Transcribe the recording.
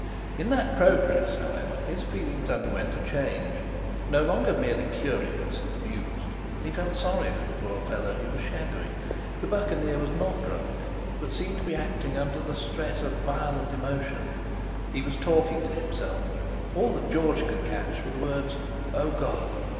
In that progress, however, his feelings underwent a change; no longer merely curious and amused, he felt sorry for the poor fellow he was shadowing. "The Buccaneer" was not drunk, but seemed to be acting under the stress of violent emotion; he was talking to himself, and all that George could catch were the words "Oh, God!"